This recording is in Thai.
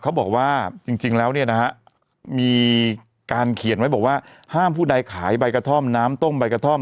เขาบอกว่าจริงแล้วเนี่ยนะฮะมีการเขียนไว้บอกว่าห้ามผู้ใดขายใบกระท่อมน้ำต้มใบกระท่อม